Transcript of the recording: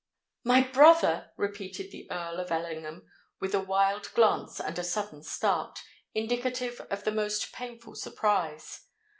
"My brother!" repeated the Earl of Ellingham, with a wild glance and a sudden start, indicative of the most painful surprise.